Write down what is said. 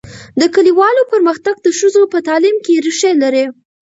د کلیوالو پرمختګ د ښځو په تعلیم کې ریښې لري.